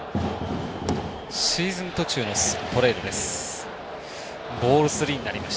シーズン途中のトレードです。